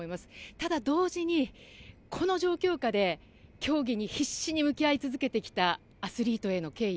ただ、同時にこの状況下で競技に必死に向き合い続けてきたアスリートへの敬意。